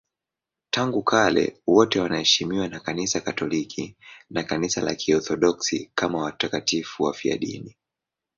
Tangu kale wote wanaheshimiwa na Kanisa Katoliki na Kanisa la Kiorthodoksi kama watakatifu wafiadini.